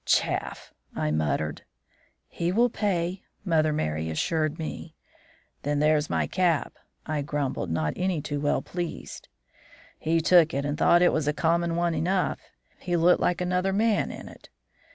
"'Chaff!' I muttered. "'He will pay,' Mother Merry assured me. "'Then here's my cap,' I grumbled, not any too well pleased. "He took it, and though it was a common one enough, he looked like another man in it.